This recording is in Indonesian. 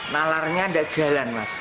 nalarnya nggak jalan mas